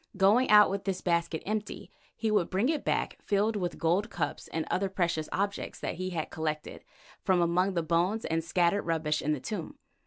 Going out with this basket empty, he would bring it back filled with gold cups and other precious objects that he had collected from among the bones and scattered rubbish in the Tomb.